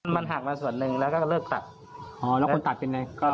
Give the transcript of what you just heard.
มันหักมาส่วนหนึ่งแล้วก็เลิกตัดอ๋อแล้วคุณตัดเป็นไง